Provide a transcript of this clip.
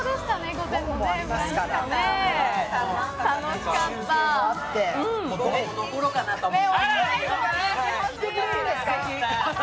午後も残ろうかなと思って。